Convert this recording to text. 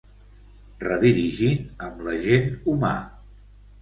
Redirigint amb l'agent humà.